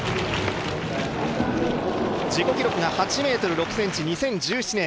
自己記録が８ｍ６ｃｍ２０１７年